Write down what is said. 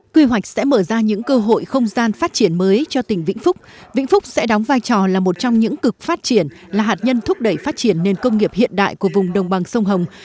quy hoạch sẽ mở ra những cơ hội không gian phát triển mới cho tỉnh vĩnh phúc vĩnh phúc sẽ đóng vai trò là một trong những cực phát triển là hạt nhân thúc đẩy phát triển nền công nghiệp hiện đại của vùng đồng bằng sông hồng